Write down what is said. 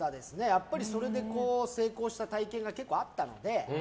やっぱり、それで成功した体験が結構あったので。